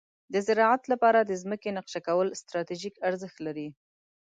د زراعت لپاره د ځمکې نقشه کول ستراتیژیک ارزښت لري.